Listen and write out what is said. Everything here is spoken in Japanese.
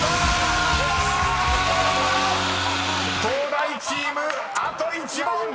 ［東大チームあと１問！］